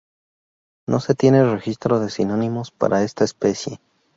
No se tiene registro de sinónimos para esta especie.